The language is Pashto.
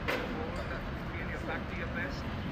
د فراغت سند بې دلیله نه تړل کیږي.